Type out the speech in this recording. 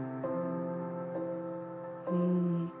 うん。